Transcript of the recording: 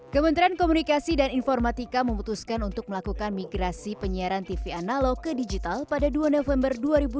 kementerian komunikasi dan informatika memutuskan untuk melakukan migrasi penyiaran tv analog ke digital pada dua november dua ribu dua puluh